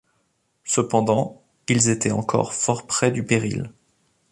Cependant ils étaient encore fort près du péril.